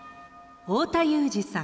太田裕二さん